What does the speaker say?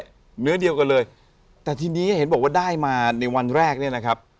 เนื้อเดียวกันเลยแต่ทีนี้เห็นบอกว่าได้มาในวันแรกเนี่ยนะครับ